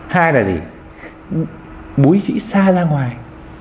hai là gì búi trĩ xa ra ngoài